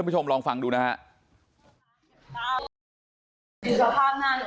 ชมลองฟังดูนะฮะ